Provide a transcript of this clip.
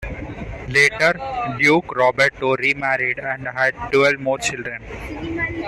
Later, Duke Roberto remarried and had twelve more children.